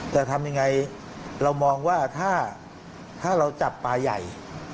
แต่ทำยังไงเรามองว่าถ้าเราจับปลาใหญ่